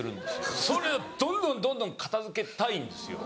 それをどんどんどんどん片付けたいんですよ。